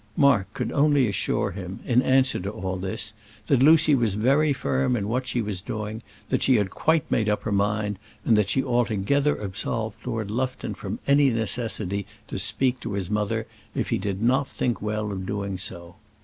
Mark could only assure him, in answer to all this, that Lucy was very firm in what she was doing, that she had quite made up her mind, and that she altogether absolved Lord Lufton from any necessity to speak to his mother, if he did not think well of doing so.